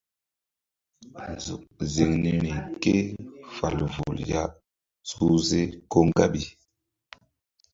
Nzuk ziŋ niri ke fal vul ya suhze ko ŋgaɓi.